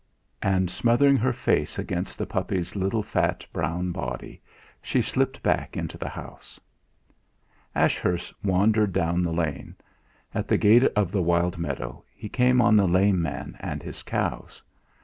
And smothering her face against the puppy's little fat, brown body, she slipped back into the house. Ashurst wandered down the lane. At the gate of the wild meadow he came on the lame man and his cows.